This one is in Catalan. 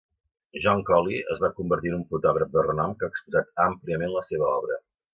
John Collie es va convertir en un fotògraf de renom que ha exposat àmpliament la seva obra.